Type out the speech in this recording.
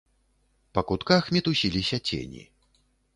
Па кутках мітусіліся цені.